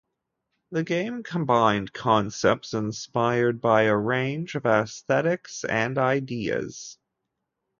The game combined concepts inspired by a range of aesthetics and ideas.